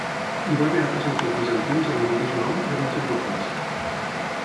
Hi va haver altres autors bizantins amb el mateix nom, de menys importància.